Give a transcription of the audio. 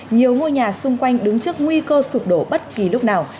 nhiều ngôi nhà xung quanh đứng trước nguy cơ sụp đổ bất kỳ lúc nào